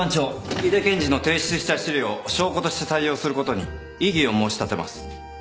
井出検事の提出した資料を証拠として採用することに異議を申し立てます。